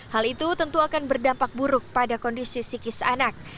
hal itu tentu akan berdampak buruk pada kondisi psikis anak